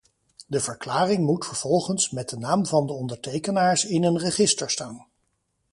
De verklaring moet vervolgens met de naam van de ondertekenaars in een register staan.